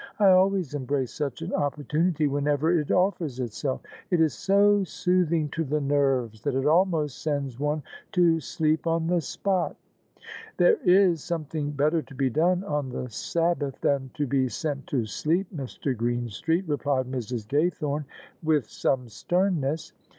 I always em brace such an opportunity whenever it offers itself: it is so soothing to the nerves that it almost sends one to sleep on the spot." "There is something better to be done on the Sabbath than to be sent to sleep, Mr. Greenstreet," replied Mrs. Gaythome with some sternness.